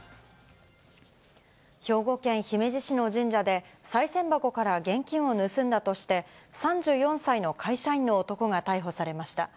兵庫県姫路市の神社で、さい銭箱から現金を盗んだとして、３４歳の会社員の男が逮捕されました。